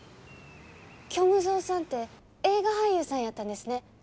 虚無蔵さんて映画俳優さんやったんですね。